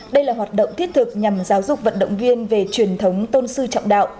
đây là hoạt động thiết thực nhằm giáo dục vận động viên về truyền thống tôn sư trọng đạo